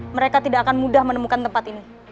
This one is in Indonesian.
mereka tidak akan mudah menemukan tempat ini